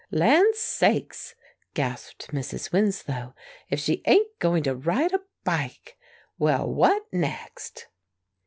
"Land's sakes!" gasped Mrs. Winslow, "if she ain't going to ride a bike! Well, what next?"